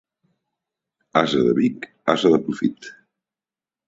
Ase de Vic, ase de profit.